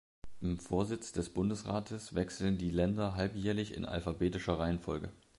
Im Vorsitz des Bundesrates wechseln die Länder halbjährlich in alphabetischer Reihenfolge.